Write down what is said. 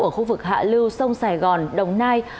ở khu vực hạ lưu sông sài gòn đồng nai